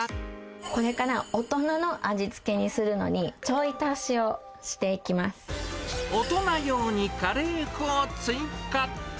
これから大人の味付けにするのに、大人用にカレー粉を追加。